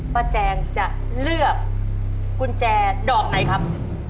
แจงจะเลือกกุญแจดอกไหนครับ